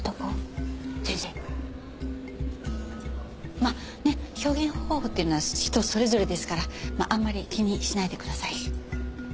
まあねえ表現方法っていうのは人それぞれですからあんまり気にしないでください。